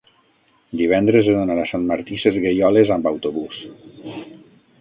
divendres he d'anar a Sant Martí Sesgueioles amb autobús.